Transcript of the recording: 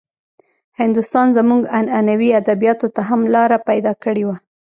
هندوستان زموږ عنعنوي ادبياتو ته هم لاره پيدا کړې وه.